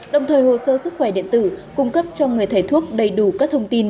đồng thời hồ sơ sức khỏe điện tử cung cấp cho người thầy thuốc đầy đủ các thông tin